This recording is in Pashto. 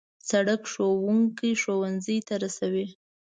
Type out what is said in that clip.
سړک ښوونکي ښوونځي ته رسوي.